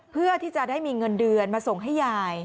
เพื่อที่จะได้มีเงินเดือนมาส่งให้ยาย